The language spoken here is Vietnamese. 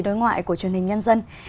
đối ngoại của truyền hình nhân dân